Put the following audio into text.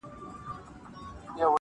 چي ازل یې قلم زما سره وهلی -